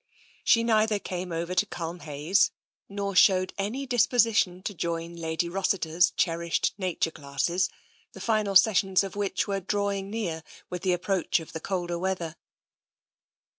She neither came over to Culmhayes nor showed any disposition to join Lady Rossiter's cherished nature classes, the final sessions of which were drawing near with the approach of the colder weather.